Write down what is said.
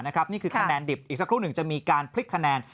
นี่คือคะแนนดิบอีกสักครู่หนึ่งจะมีการพลิกคะแนน